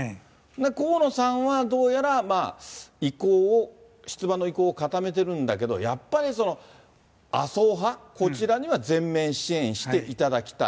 河野さんはどうやら、意向を、出馬の意向を固めてるんだけど、やっぱり麻生派、こちらには全面支援していただきたい。